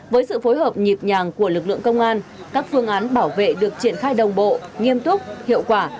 với sự phối hợp nhịp nhàng của lực lượng công an các phương án bảo vệ được triển khai đồng bộ nghiêm túc hiệu quả